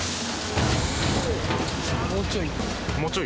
もうちょい。